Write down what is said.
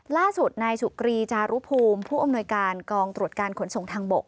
ล่าสุดนายสุกรีจารุภูมิผู้อำนวยการกองตรวจการขนส่งทางบก